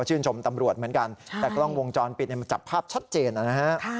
ชื่นชมตำรวจเหมือนกัน